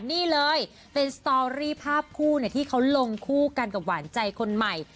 นี่เลยเป็นสตอรี่ภาพคู่ที่เขาลงคู่กันกับหวานใจคนใหม่